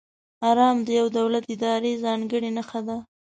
آرم د یو دولت، ادارې ځانګړې نښه ده.